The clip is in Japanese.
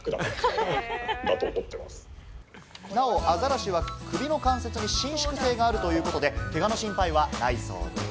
なお、アザラシは首の関節に伸縮性があるとのことでけがの心配はないそうです。